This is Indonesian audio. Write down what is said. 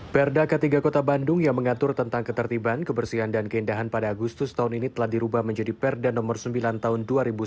perda k tiga kota bandung yang mengatur tentang ketertiban kebersihan dan keindahan pada agustus tahun ini telah dirubah menjadi perda nomor sembilan tahun dua ribu sembilan belas